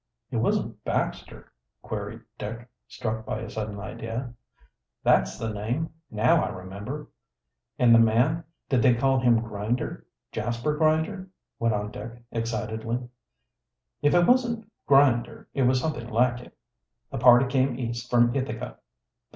"It wasn't Baxter?" queried Dick, struck by a sudden idea. "That's the name now I remember." "And the man, did they call him Grinder Jasper Grinder?" went on Dick excitedly. "If it wasn't Grinder, it was something like it. The party came east from Ithaca."